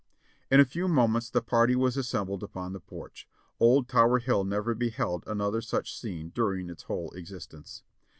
In a few moments the party was assembled upon the porch. Old Tower Hill never beheld another such scene during its whole existence.